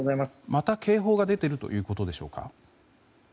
また警報が出ているということでしょうか。